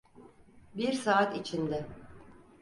Bir saat içinde.